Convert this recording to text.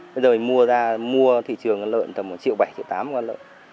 bây giờ mình mua ra mua thị trường con lợn tầm một triệu bảy triệu tám con lợn